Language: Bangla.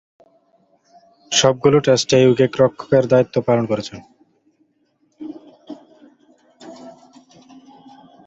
সবগুলো টেস্টেই উইকেট-রক্ষকের দায়িত্ব পালন করেছেন।